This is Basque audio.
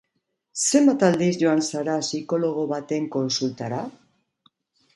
Zenbat aldiz joan zara psikologo baten kontsultara?